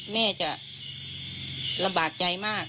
แม่จะลำบากใจมาก